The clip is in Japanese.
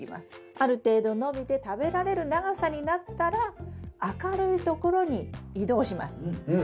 ある程度伸びて食べられる長さになったら明るいところに移動します。